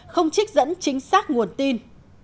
không trích dẫn chính xác nguồn tin